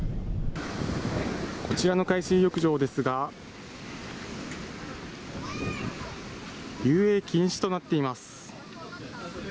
こちらの海水浴場ですが、遊泳禁止となっています。